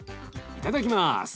いただきます！